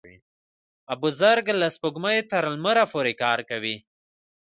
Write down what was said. بزګر له سپوږمۍ تر لمر پورې کار کوي